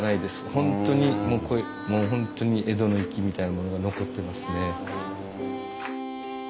本当にもう本当に江戸の粋みたいなものが残ってますね。